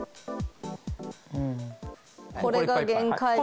これが限界です。